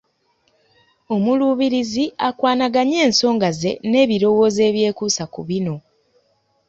Omuluubirizi akwanaganye ensonga ze n’ebirowoozo ebyekuusa ku bino